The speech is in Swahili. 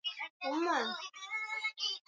aliteuliwa kuwa waziri mkuu mwezi uliopita